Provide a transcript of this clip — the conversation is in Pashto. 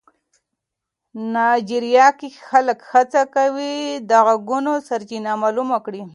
نایجیریا کې خلک هڅه کوي د غږونو سرچینه معلومه کړي.